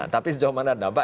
tapi sejauh mana dampak